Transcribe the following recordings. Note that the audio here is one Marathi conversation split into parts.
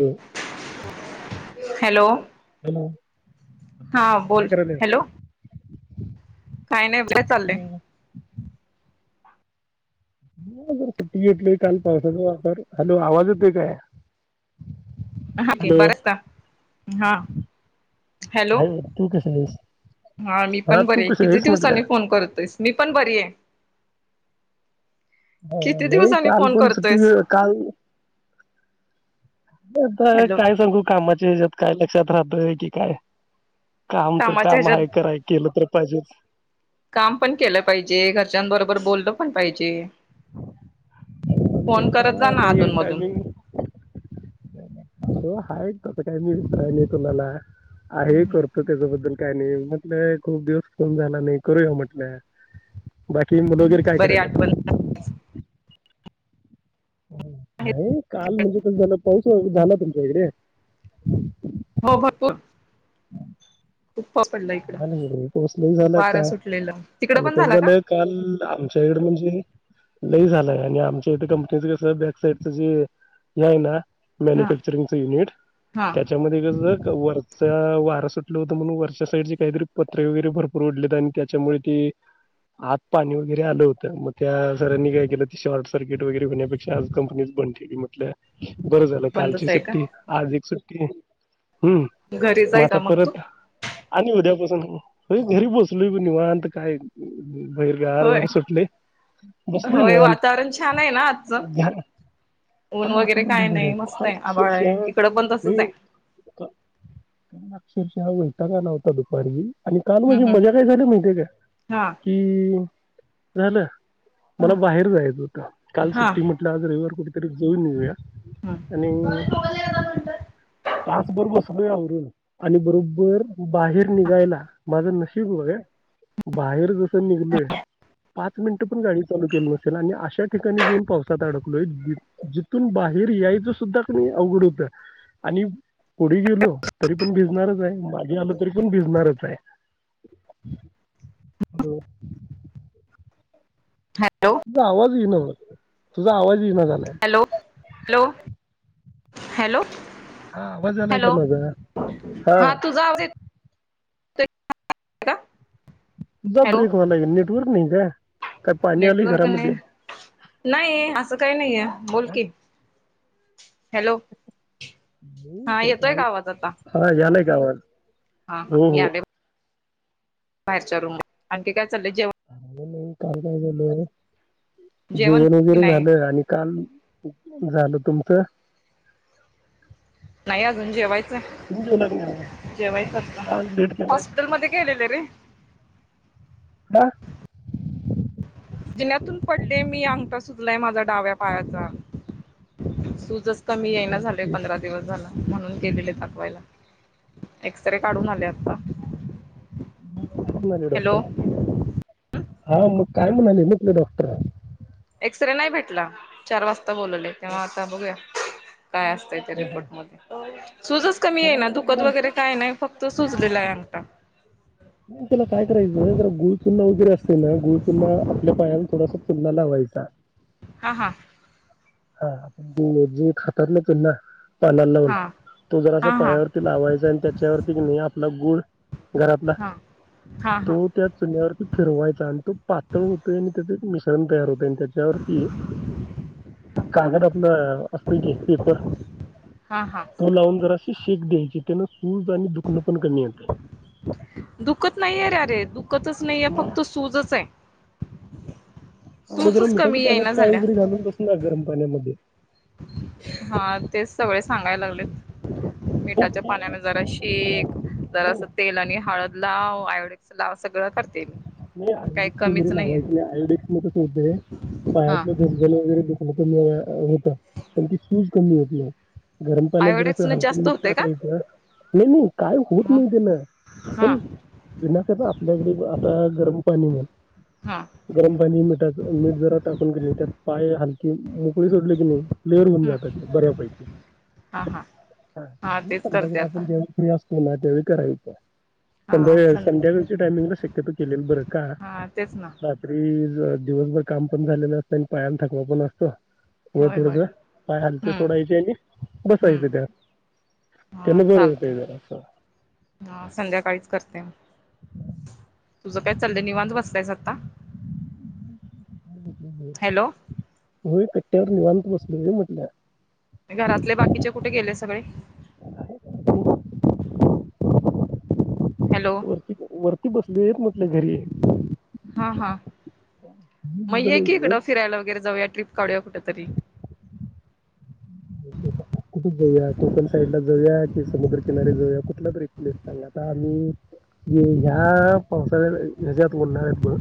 हो हॅलो हॅलो हा काय बोल करायलास हॅलो काही नाही आमच काय चाललय [inaudible] हॅलो येतोय काल पावसाच वातावरण हॅलो आवाज येतोय का हां की बरा आहे का हा हॅलो तु कशी काय आहेस हा मी पण बरी तू आहे कशी किती आहेस म्हटलं दिवसांनी फोन करतोयस मी पण बरी आहे हा किती नाही दिवसांनी काल फोन पण सुट्टी करतोयस काल होतय हॅलो काय सांगु कामाच तेच्यात काय लक्षात राहतय की काय काम तर कामाच्या काम आहे ह्याच्यात कराय केल तर पाहिजेच काम पण केल पाहिजे घरच्या बरोबर बोलल पण पाहिजे फोन तर करत काय जा आता ना हे आधून मधून टायमिंग हो हाय तस काय मिळतय तुलाला आरे करतो त्याच्याबद्दल काय नाही म्हटलय खुप दिवस फोन झाला नाही करूया म्हटल बाकी मुल वगैरे काय बरी आठवण कराल्यात नाही काल म्हणजे झाल पाऊस झाला तुमच्या इकडे हो भरपुर खुप पाऊस पडलाय की हां न गडे पाऊस लय झाला काल तिकडं आणि पण कसं झाला का झाल काल आमच्या इकड म्हणजे लई झालाय आणि आमच्या इथे कंपनीच कस बॅक साईड जे हे आहे ना हा मॅन्युफॅक्चरिंगच युनिट हा त्या त्याच्यामध्ये कसय वरचा वार सुटल होत म्हणून वरच्या साईडची काहीतरी पत्रे वगैरे भरपूर उडलेत आणि त्याच्यामुळे ते आत पाणी वगैरे आलं होतं मग त्या सरांनी काय केलं ते शॉर्ट सर्किट वगैरे होण्यापेक्षा आज कंपनीज बंद ठेवली म्हटल बरं झालं कालची बंदच आहे का सुट्टी आज एक सुट्टी हम्म घरी मग आता जायचा तू परत आणि उद्यापासून घरी बोसलोय बघ निवांत काय बाहेर गार होय वार सुटले बसलोय होय निवांत वातावरण छान आहे ना आजचं. ऊन वगैरे काय नाही मस्त आहे आभाळ आहे इकडं पण तसच आहे [unintelligible] [inaudible] आकशरशा वैताग आला हुता दुपारी आणि काल हम्म माझी मजा हम्म काय झाली माहिती का हा कि झालं मला बाहेर जायचं होतं काल हा सुट्टी म्हटलं आज रविवार कुठेतरी जाऊन येऊया हम्म. आणि तासभर बसलोय आवरून आणि बरोबर बाहेर निघायला माझं नशीब बघ हा बाहेर जस निघलय पाच मिनिटं पण गाडी चालू केली नसेल आणि अशा ठिकाणी जाऊन पावसात अडकलोय जिथून बाहेर यायचं सुद्धा कनी अवघड हुतं आणि पुढे गेलो तरी पण भिजणारच आहे मागेआलो तरी पण भिजणारच आहे हॅलो हॅलो तुझा आवाज येई न तुझा आवाज ये न झालाय हॅलो हॅलो हॅलो हा आवाज आलाय का हॅलो माझा हा तुझा आवज [unintelligible] तुजा ब्रेक व्यालय नेटवर्क नाही काय पाणी आलंय नेटवर्क नाही घरामध्ये नाही असं काही नाही आहे बोल की हॅलो नाही हा तर येतोय काल काय आवाज आता हा यालाय का आवाज हा हा हो मी हो आलोय बाहेरच्या रूम मध्ये आणखी काय चालंय जेवण नाही काल काय झालय जेवण की वगैरे नाही झालय आणि काल झाल तुमचं नाही अजून जेवायचं तुम्ही जेवला का नाही? आहे जेवायचं आत्ता आज लेट केलाय हॉस्पिटल मध्ये गेलेले रे का जीण्यात्यातून पडले मी अंगठा सुजलाय माझा डाव्या पायाचा सूज कमी अरे येईना झाले बापरे पंधरा दिवस झाल म्हणून गेलेले दाखवायला एक्सरे काढून आले आता मग काय म्हणाले डॉक्टर हॅलो हा मग काय म्हणाले म्हणल डॉक्टर एक्सरे नाही भेटला चार वाजता बोलवले तेव्हा आता बघूया काय अस रिपोर्ट मध्ये सुजच कमी त्याला येईना दुखत जरा वगैरे काय नाही फक्त सुजलेला आहे आगटा त्याला काय करायचं जरा गुळ चूना वगैरे असते ना गुळ चुनना आपल्या पायाला थोडासा चूना लावायचा हा हां हा आपण जे खातात ना चुना पानाला लावून हा तो जरासा हा हा हा. पायावरती लावायचा आणि त्याच्यावरती कणी आपला गुळ घरातला हा तो हा त्या चुन्यावरती फिरवायचा आणि तो पातळ होतोय आणि त्याच एक मिश्रण तयार होतय आणि त्याच जर की. कागद आपलं असतोय की पेपर, हा हा तो लावून जर आस शेक द्यायची त्याना सूज आणि दुखणं पण कमी येतंय. दुखत नाहीयेरे अरे दुखतच नाहीये मग फक्त सूजच हाय मधुराम मिठाच्या येईना पाण्यात पाय झाल्या वगैरे घालून बसू ना गरम पाण्यामध्ये. हा तेच सगळे सांगायला लागलेत. नाही मिठाच्या ते पाण्यानं जरा ते तत्पर आहे शेक जरासं हो तेलआणि हळद लाव, आयोडेक्स लाव सगळं करते मी नाही पण काही आयोडेक्स वगैरे कमीच लावायचं नाहीये नाही, आयोडेक्सनं कसं हुतय हा पायातलं झनझन वगैरे दुखणं कमी व य होतं पण ती सूज कमी होत नाही. गरम पाण्यात जरास आयोडेक्स न हरकुन जास्त मीठ होते का टाकायचं, नाही नाही काय होत मग नाही तेन हा पण विना कसं आपल्याकडे आता गरम पाणी म्हण हा गरम पाणी मीठाचं मीठ जरा टाकून कने त्यात पाय हलके मोकळे सोडले कने क्लिअर होऊन हम्म जातात बऱ्यापैकी हा हा [unintelligible] हा तेच करते संध्याकाळी आता आपण जेव फ्री असतोय ना त्यावेळी करायचं हा संध्याकाळी सं संध्याकाळी [unintelligible] शक्यतो केलेलं बरं का हा तेच ना [unintelligible] रात्री दिवसभर काम पण झालेलं असतंय आणि पायाला थकवा पण असतो. व होय होय थोडंस पाय हालके हम्म सोडायचे आणि बसायचं त्यात. हम्म हा तेन बरं चालतय हुतय का आता. हा संध्याकाळीच करते. तुझं काय चाललय निवांत बसलायस आता. हॅलो. होय कट्ट्यावर निवांत बसलोय हे म्हटलं. घरातले बाकीचे कुठं गेले सगळे? हॅलो. ठीक वरती बसलोयच म्हटल घरी. हा हा काही म दिवसाला ये की म्हणलं, इकडं फिरायला वगैरे जाऊया ट्रीप काढूया कुठंतरी कुठं जाऊया कोकण साईड ला जाऊया, कि समुद्र किनारी जाऊया, कुठला तरी एक प्लेस सांग. आता आम्ही ह्या पावसाळ्यात हेच्यात उन्हाळ्यात ना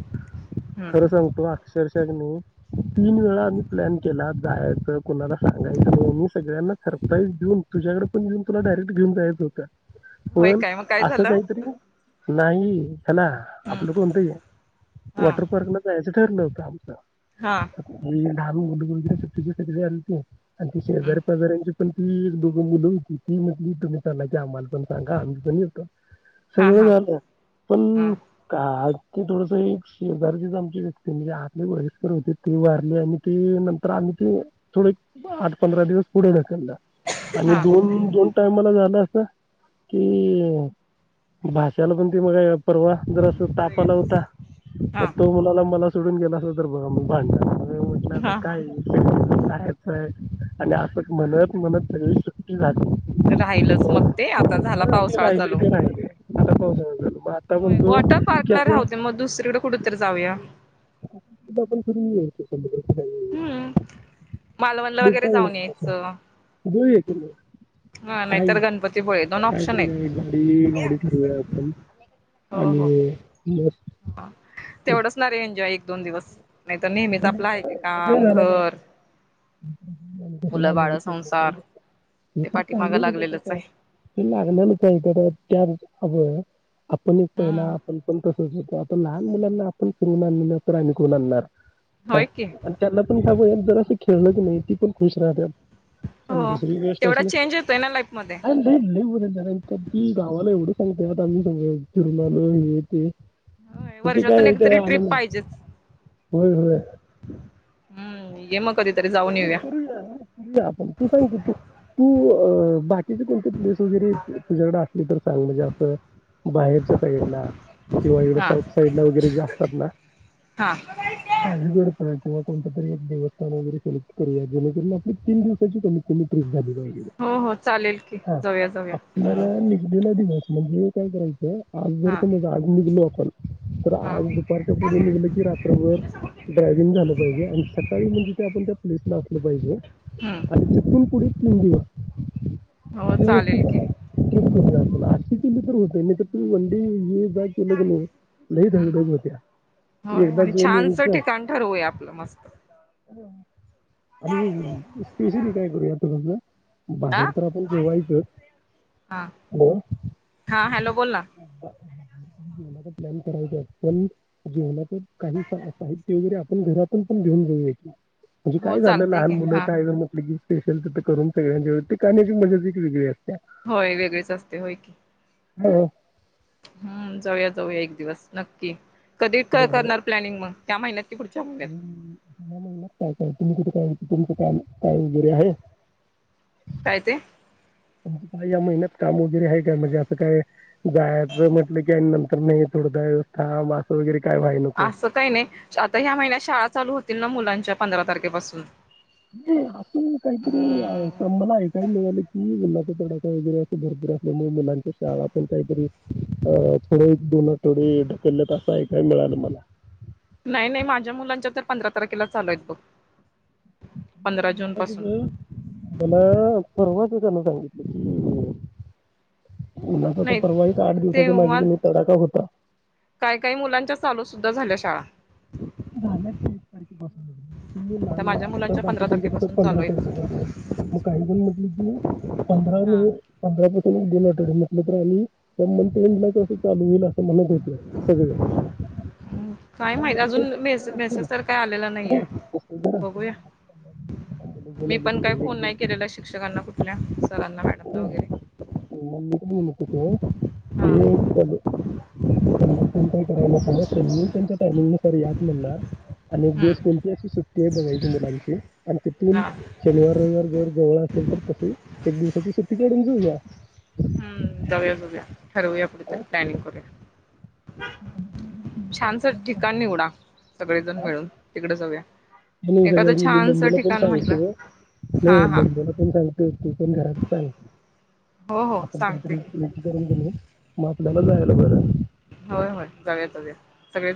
हम्म खरं सांगतो आ अक्षरशः कणें तीन वेळा आम्ही प्लॅन केला जायचं कुणाला सांगायच तु मी सगळ्यांना सप्राईज दिऊन तुझ्याकडं पण येऊन तुला डायरेक्ट घिऊन जायच होत. होय पण काय मग काय असं झालं काहीतरी नाही खला हम्म आपलं कोण ते हा वॉटर पार्क ला जायाचं ठरलं होतं आमच. हा. आणि लहान मूलं कोणतरी सुट्टीसाठी आलीत कणी आणि ती हम्म शेजारी पाजाऱ्यांची पण ती दोघ मुलं होती ती म्हणली, तुम्ही चालला की आम्हाला पण सांगा आम्ही पण येतो. हा सगळं हा झालं हा पण का ते थोडस एक शेजारचीच आमची व्यक्ती म्हणजे हा ते वयस्कर होते ते वारले आणि ते नंतर आम्ही ते थोडे एक. आठ, पंधरा दिवस पुढे ढकलल आणि हा दोन, दोन. टायमला झालं असं की भाच्याला पण ते म काय परवा जरासं ताप आला होता म हा तो म्हणाला मला सो सोडून गेलासा तर बघा म भांडणार, आरे म्हटलं आता हा हा काय हे काय काय आणि असंच म्हणत म्हणत सगळी सुट्टी झाली. तर राहिलचं मग ते आता झाला हा ते पावसाळा राहिले चालू ते [inaudible] होय वॉटर पार्क की ला असं राहुदे मग दुसरीकडे कुठ तर जाऊया. [unintelligible] [inaudible] हम्म मालवणला बघता वगैरे येईल जाऊन आपलं असं यायचं. [inaudible] हा काय नाहीतर गणपतीपुळे दोन काय ऑप्शन करूया एक आहेत गाडी गाडी ठरवूया आपण. आणि म तेवढच ना रे एन्जॉय एक, दोन दिवस नाही तर नेहमीच आपलं आहे ते काम घर [unintelligible] मुलं बाळ संसार ते ते तर पाठीमागं चाललयच त्याच लागलेलंच काय आहे हे लागणारच आहे तर त्या [unintelligible] आपण एक पहिला हम्म आपण पण कसच [unintelligible] तर लहान मुलांना आपण फिरवून आणलं नाही तर आणि कोण आणणार. हा. होय की आणि त्यांना पण [unintelligible] जर असं खेळलंच नाही ती पण खुश राहत्यात. आणि हो दुसरी गोष्ट तेवढा अशी. चेंज येतोय ना लाईफ मध्ये आहे ना नाही [unintelligible] की गावाला एवढं सांगते आ आम्ही सगळ जिरमाल हे ते होय, वर्षातून एकतरी ट्रिप पाहिजेच [unintelligible] होय होय. हम्म ये मग कधी तरी जाऊ नाही करूया करूया आपण तू सांगत तू तू अ बाकीचे कोणते प्लेस वगैरे तुझ्याकडे असली तर सांग म्हणजे असं बाहेरच्या साईडला किंवा इकडं हा साऊथ साईड ला वगैरे जे असतात ना हा हा [unintelligible] पर्यंत असेल तर एक देवस्थान वगैरे करू. करूया जेणेकरून आपली तीन दिवसाची कमीत कमी ट्रिप झाली पाहिजे. हो हो चालेल की जाऊया जाऊया. हम्म पुण्याला निगडीला [unintelligible] म्हणजे काय करायचं आज जर हा तुम्ही गाडी निघलो आपण तर हा आज दुपारच्या पुढे निघलं की रात्रभर ड्रायव्हिंग झालं पाहिजे आणि सकाळी म्हणजे ते आपण त्या प्लेसला असल पाहिजे. हम्म. तिथून पुढे तीन दिवस हो चालेल व्यवस्थित की आहे [unintelligible] आठशे किलो तर होत नाही तर त वनडे हे जा [unintelligible] होत्या. होय एकदा आणि जाऊन छानचं यायचं ठिकाण ठरवूया आपलं मस्त. हो. आणि स्पेशली काय करूया समजल आ बाहेर तर आपण जेवायचं हा हा हॅलो बोल ना. जेवणाचा प्लॅन करायचा आहे पण जेवणाच काही ते म्हणजे आपण घरातून पण घेऊन जाऊया की म्हणजे हो काय झालं चालते लहान की मुलं हा काय म्हटलं की स्पेशल तर तर करून सगळ्यांनी नेऊया, ते खाण्याची मजाच एक वेगळी असते. होय वेगळीच असते होय की. हो. हम्म जाऊया जाऊया एक दिवस नक्की. कधी हो हो करणार प्लॅनिंग मग त्या महिन्यात की पुढच्या महिन्यात [unintelligible] तुमच काम काय वगैरे आहे. काय ते. आ काय या महिन्यात काम वगैरे आहे काय म्हणजे असं काय. जायचं म्हटलं की आणि नंतर नाही थोडदा वस्था [inaudible] अस वगैरे काय व्हाय नको. असं नाही आता ह्या महिन्यात शाळा चालू होतील ना मुलांच्या पंधरा तारखेपासून. हम्. पण हम्म काहीतरी मला ऐकायला मिळालं की मुला्हाचा तडाका वगैरे असे भरपूर असल्यामुळे मुलांच. शाळा पण काहीतरी अ पुढे एक दोन आठवडे ढकलले तर असं ऐकाय मिळालं मला. नाही नाही माझ्या मुलांच्या तर पंधरा तारखेला चालू आहेत बघ. पंधरा जून मला पासून कस मला परवाच त्यांना सांगितलं. उन्हाचा तर नाही परवाही आठ दिवसाच्या मागे तेव्हा उन्हाचा तडाका होता. काय काही मुलांच्या चालू सुुद्धा झाल्या शाळा. झालंच. मूल तर लहान माझ्या आता मुलांच्या पंधरा बाकीच्यास तारखेपासून पंधरा चालू तारखे आहेत बसले. मग काही जण म्हटलं की पंधरा हा मे पंधरा पाासून एक दोन अठडे म्हटलं तर आम्ही. तर मण ते कसं चालू होईल असं म्हणत होते सगळे. हम्म काय मग माहित म्हटलं अजून तसं मेसे काय असेल मेसेज तर काही आलेला नाहीे नाही, तसं जरा असं बघूया. म्हणलं, झोन मी आली की पण काही एक फोन दिवस नाही केलेला शिक्षकांना कुठल्या सरांना मॅडमला वगैरे. [inaudible] ण करायला सग हां त्यांनी त्यांच्या टाइमिंग नुसार यात म्हण. आणि एक हं, दिवस कोणती अशी सुट्टी आहे बघायची मुलांची आणि ते तीन. हां शनिवार रविवार जर गवळळा असेल तर तस एक दिवसाची सुट्टी काढून जाऊया. हम्म जाऊया जाऊया ठरवूया हा? कुठेतरी प्लॅनिंग करूया. छान ठिकाण निवडा सगळेजण मिळून तिकडे जाऊया. म्हण एखादं सगळ छानसं मम्मीला पण ठिकाण म्हटलं सांगतो नाही हां हां मम्मी. ण चालत तू पण घरात सांग हो हो आपण सांगते की काहीतरी. करून गली मग आपल्याला जायला बरं. होय होय जाऊया जाऊया. सगळे